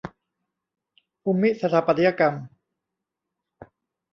ภูมิสถาปัตยกรรม